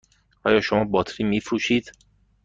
آیا شما باطری می فروشید؟